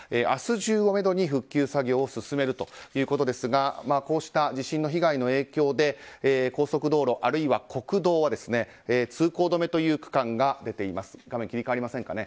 明日中をめどに復旧作業を進めるということですがこうした地震の被害の影響で高速道路あるいは国道は通行止めという区間が出ています。